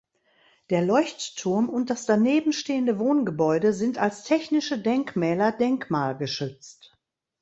Der Leuchtturm und das daneben stehende Wohngebäude sind als technische Denkmäler denkmalgeschützt.